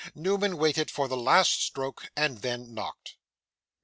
Newman waited for the last stroke, and then knocked.